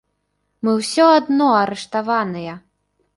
Мы ўсё адно арыштаваныя!